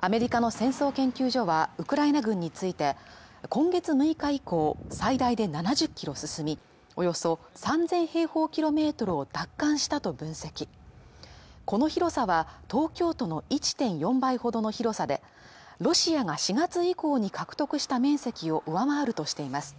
アメリカの戦争研究所はウクライナ軍について今月６日以降最大で７０キロ進みおよそ３０００平方キロメートルを奪還したと分析この広さは東京都の１．４倍ほどの広さでロシアが４月以降に獲得した面積を上回るとしています